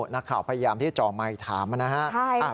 นักข่าวพยายามที่จ่อไมค์ถามนะครับ